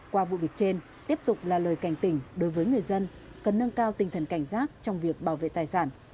qua vụ việc trên tiếp tục là lời cảnh tỉnh đối với người dân cần nâng cao tinh thần cảnh giác trong việc bảo vệ tài sản